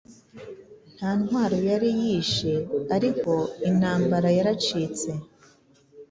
Nta ntwaro yari yishe ariko intambara yaracitse